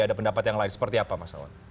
ada pendapat yang lain seperti apa mas awan